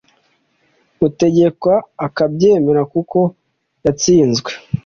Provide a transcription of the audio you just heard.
utegekwa akabyemera kuko yatsinzwe.